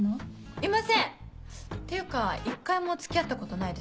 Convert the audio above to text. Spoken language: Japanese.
いませんっていうか一回も付き合ったことないです。